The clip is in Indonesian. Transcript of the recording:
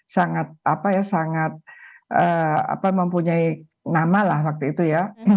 sangat apa ya sangat mempunyai nama lah waktu itu ya